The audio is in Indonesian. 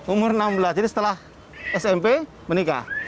umur enam belas jadi setelah smp menikah